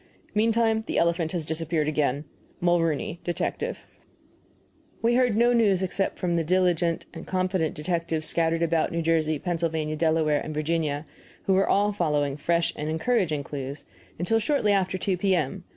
Meantime, the elephant has disappeared again. MULROONEY, Detective. We heard no news except from the diligent and confident detectives scattered about New Jersey, Pennsylvania, Delaware, and Virginia who were all following fresh and encouraging clues until shortly after 2 P.M.